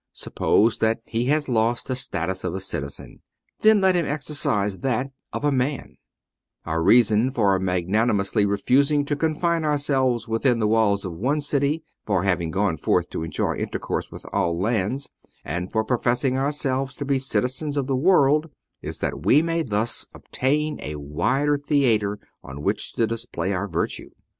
Suppose that he has lost the status of a citizen ; then let him exercise that of a man : our reason for magnanimously refusing to confine ourselves within the walls of one city, for having gone forth to enjoy intercourse with all lands and for professing ourselves to be citizens of the world is that we may thus obtain a wider theatre on which to display our virtue.